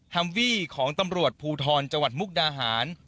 ฮัมวี่ของตำรวจภูทรจังหวัดมุกดาหาร